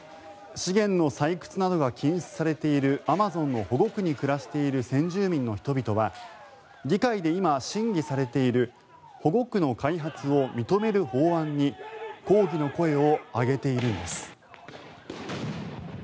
資源の採掘などが禁止されているアマゾンの保護区に暮らしている先住民の人々は議会で今、審議されている保護区の開発を認める法案に抗議の声を上げているんです。